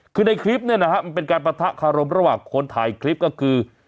คือในคลิปเนี่ยนะฮะมันเป็นการปะทะคารมระหว่างคนถ่ายคลิปก็คือ